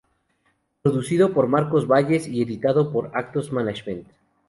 Producido por Marcos Valles y editado por Actos Management.